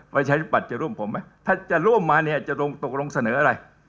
ประเภทปัดจะร่วมกับผมไหมถ้าจะร่วมมาจะตกลงเสนออะไร